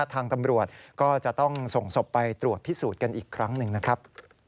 ทางตำรวจก็จะต้องส่งศพไปตรวจพิสูจน์กันอีกครั้งหนึ่งนะครับ